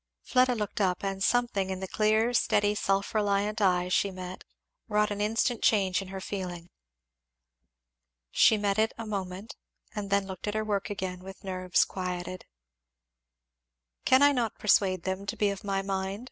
Fleda looked up, and something in the clear steady self reliant eye she met wrought an instant change in her feeling. She met it a moment and then looked at her work again with nerves quieted. "Cannot I persuade them to be of my mind?"